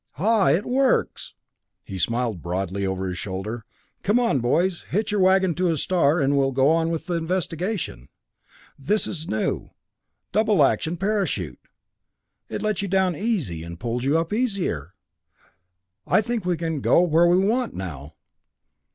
"Ah it works." He grinned broadly over his shoulder. "Come on, boys, hitch your wagon to a star, and we'll go on with the investigation. This is a new, double action parachute. It lets you down easy, and pulls you up easier! I think we can go where we want now."